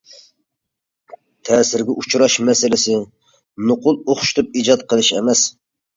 تەسىرگە ئۇچراش مەسىلىسى نوقۇل ئوخشىتىپ ئىجاد قىلىش ئەمەس.